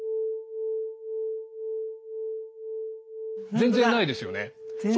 全然ないですよね。